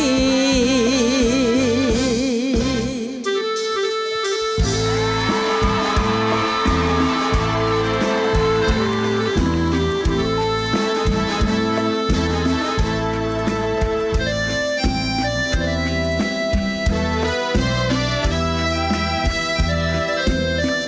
สุดยอดสุดยอดสุดยอดสุดยอด